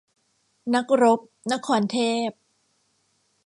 นักรบ-นครเทพ